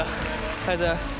おめでとうございます。